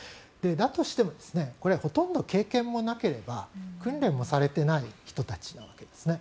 だとしてもこれはほとんど経験もなければ訓練もされていない人たちなわけですね。